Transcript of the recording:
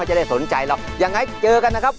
ไม่ใช่ครับ